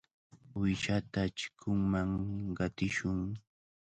Uyshata chikunman qatishun.